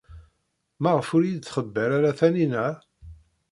Maɣef ur iyi-d-txebber ara Taninna?